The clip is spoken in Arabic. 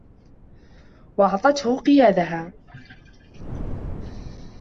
وَأَعْطَتْهُ قِيَادَهَا